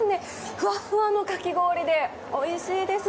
ふわっふわのかき氷でおいしいです。